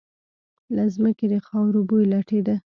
له ځمکې د خاورو بوی لټېده.